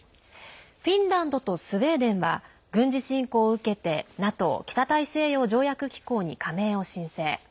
フィンランドとスウェーデンは軍事侵攻を受けてＮＡＴＯ＝北大西洋条約機構に加盟を申請。